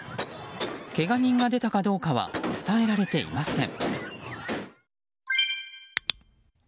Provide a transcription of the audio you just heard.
けが人が出たかどうかは伝えられていません。